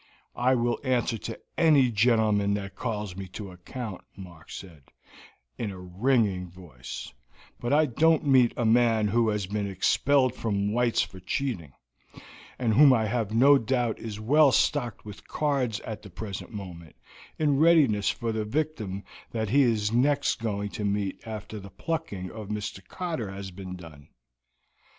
"I will answer to any gentleman that calls me to account," Mark said, in a ringing voice, "but I don't meet a man who has been expelled from White's for cheating, and who I have no doubt is well stocked with cards at the present moment, in readiness for the victim that he is next going to meet after the plucking of Mr. Cotter has been done.